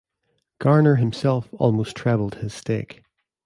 Garner himself almost trebled his stake.